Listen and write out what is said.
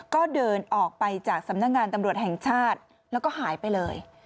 ก็เดินออกไปจากสำนักงานตำรวจแห่งชาติแล้วก็หายไปเลย